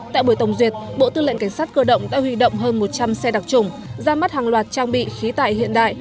tại buổi tổng duyệt bộ tư lệnh cảnh sát cơ động đã huy động hơn một trăm linh xe đặc trủng ra mắt hàng loạt trang bị khí tài hiện đại